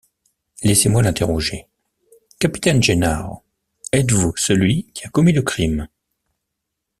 Laissez-moi l’interroger. — Capitaine Gennaro, êtes-vous celui qui a commis le crime?